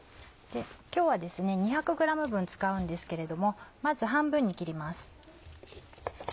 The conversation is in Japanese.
今日はですね２００ｇ分使うんですけれどもまず半分に切ります。